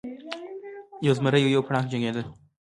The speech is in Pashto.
یو زمری او یو پړانګ جنګیدل.